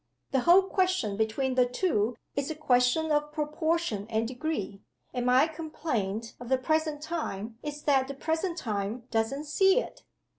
The whole question between the two is a question of proportion and degree, and my complaint of the present time is that the present time doesn't see it.